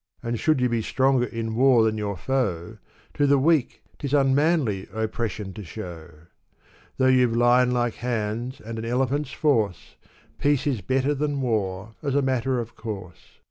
And should you be stronger in war than your foe, To the weak, 'tis unmanly oppression to show ! Though you've lion like hands and an elephant's force, Peace is better than war, as a matter of course.